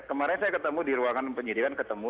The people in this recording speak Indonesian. kemarin saya ketemu di ruangan penyidikan ketemu